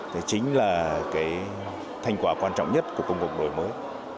thì chính là cái thành quả quan trọng nhất của công cuộc đổi mới